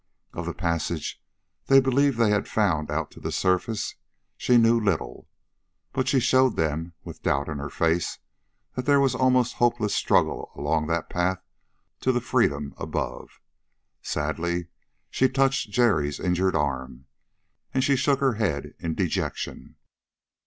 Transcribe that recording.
Of the passage they believed they had found out to the surface, she knew little. But she showed them, with doubt in her face, that there was almost hopeless struggle along that path to the freedom above. Sadly she touched Jerry's injured arm, and she shook her head in dejection.